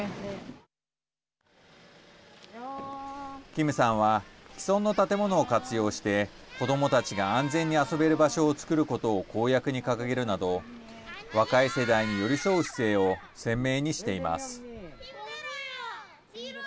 キムさんは既存の建物を活用して子どもたちが安全に遊べる場所を作ることを公約に掲げるなど若い世代に寄り添う姿勢を鮮明にしています。